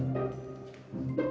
yang ku are you